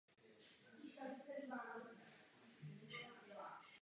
Vítězové svých skupin se utkali na dva vítězné zápasy o titul.